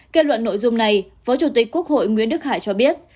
kết luận nội dung này phó chủ tịch quốc hội nguyễn đức hải cho biết